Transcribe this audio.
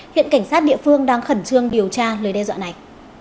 hiện cảnh sát địa phương đang khẩn trương điều tra lời đe dọa này